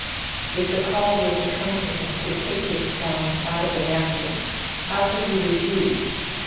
If the call were to come to him to take his talent out of the napkin, how could he refuse?